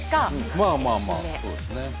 まあまあまあそうですね。